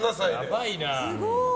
すごい。